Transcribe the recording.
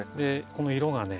この色がね